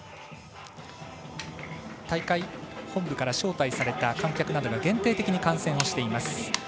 大会本部から招待された観客などが限定的に観戦しています。